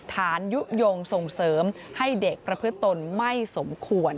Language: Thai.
ยุโยงส่งเสริมให้เด็กประพฤติตนไม่สมควร